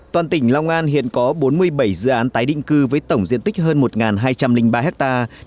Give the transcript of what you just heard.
toàn tỉnh long an hiện có bốn mươi bảy dự án tái định cư với tổng diện tích hơn một hai trăm linh ba hectare